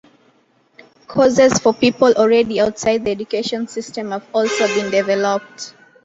Courses for people already outside the education system have also been developed.